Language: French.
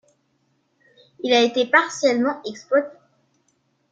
Il a été partiellement exploité.